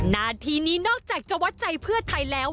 นาทีนี้นอกจากจะวัดใจเพื่อไทยแล้ว